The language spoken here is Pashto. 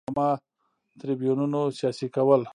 د منبرونو او عامه تریبیونونو سیاسي کول.